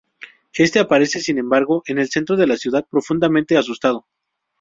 Éste aparece sin embargo en el centro de la ciudad, profundamente asustado.